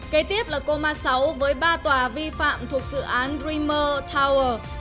kế tiếp là cô ma sáu với ba tòa vi phạm thuộc dự án dreamer tower